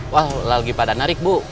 wah lagi pada narik bu